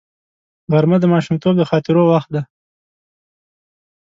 غرمه د ماشومتوب د خاطرو وخت دی